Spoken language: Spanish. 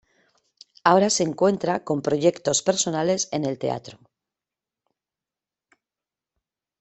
Ahora se encuentra con proyectos personales en el teatro.